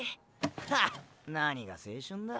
ハッ何が青春だ。